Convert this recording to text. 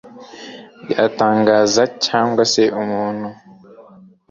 byatangaza, cyangwa se umuntu